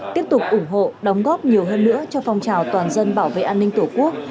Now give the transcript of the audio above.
tiếp tục ủng hộ đóng góp nhiều hơn nữa cho phong trào toàn dân bảo vệ an ninh tổ quốc